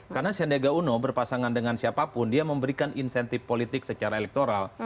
karena sendega uno berpasangan dengan siapapun dia memberikan insentif politik secara elektoral